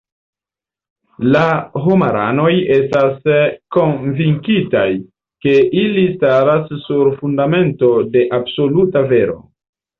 La homaranoj estas konvinkitaj, ke ili staras sur fundamento de absoluta vero.